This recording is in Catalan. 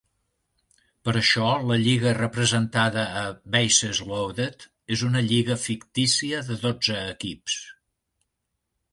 Per això, la lliga representada a "Bases Loaded" és una lliga fictícia de dotze equips.